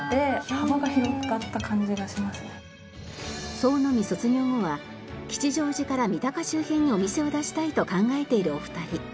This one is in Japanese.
創の実卒業後は吉祥寺から三鷹周辺にお店を出したいと考えているお二人。